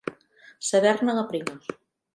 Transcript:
Saber-ne la prima.